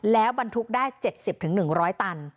แล้วบรรทุกได้๗๐๑๐๐ตัน